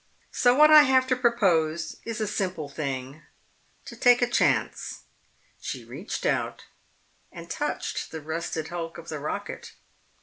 So what I have to propose is a simple thing to take a chance." She reached out and touched the rusted hulk of the rocket.